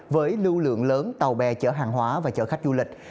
với lưu lượng lớn tàu bè chở hàng hóa và chở khách du lịch